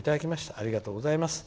ありがとうございます。